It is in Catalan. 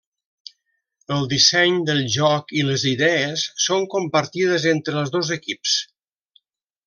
El disseny del joc i les idees són compartides entre els dos equips.